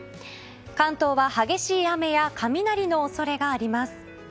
関東は激しい雨や雷の恐れがあります。